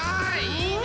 いいね！